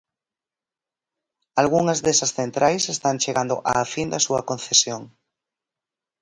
Algunhas desas centrais están chegando á fin da súa concesión.